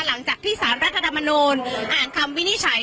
หลังจากที่สารรัฐธรรมนูญอ่านคำวินิจฉัย